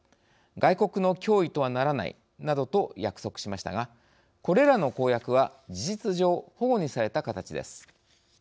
外国の脅威とはならない。などと約束しましたがこれらの公約は、事実上ほごにされた形です。